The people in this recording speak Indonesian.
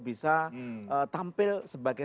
bisa tampil sebagai